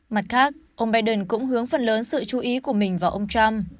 mặt khác ông biden cũng hướng phần lớn sự chú ý của mình vào ông trump